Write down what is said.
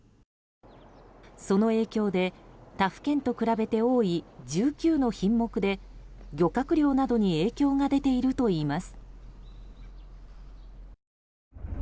その影響で他府県と比べて多い１９の品目で、漁獲量などに影響が出ているといいます。